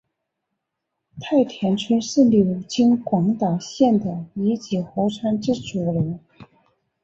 太田川是流经广岛县的一级河川之主流。